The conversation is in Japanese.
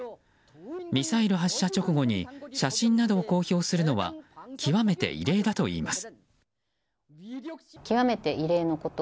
ミサイル発射直後に写真などを公表するのは極めて異例だといいます。